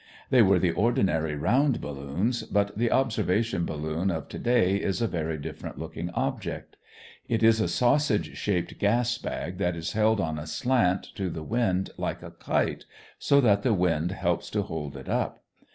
They were the ordinary round balloons, but the observation balloon of to day is a very different looking object. It is a sausage shaped gas bag that is held on a slant to the wind like a kite, so that the wind helps to hold it up.